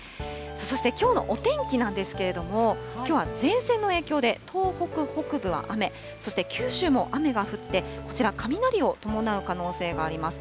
そして、きょうのお天気なんですけれども、きょうは前線の影響で東北北部は雨、そして九州も雨が降って、こちら、雷を伴う可能性があります。